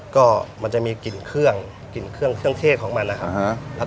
ก็มันจะมีกลิ่นเครื่องเครื่องเทศของมันนะครับ